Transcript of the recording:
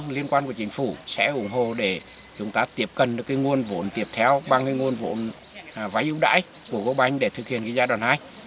liên quan của chính phủ sẽ ủng hộ để chúng ta tiếp cận được nguồn vụn tiếp theo bằng nguồn vụn vãi ưu đãi của vũ banh để thực hiện giai đoạn hai